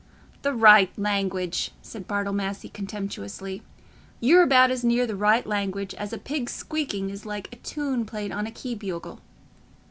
"The right language!" said Bartle Massey, contemptuously. "You're about as near the right language as a pig's squeaking is like a tune played on a key bugle."